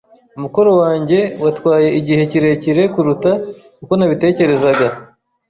Umukoro wanjye watwaye igihe kirekire kuruta uko nabitekerezaga.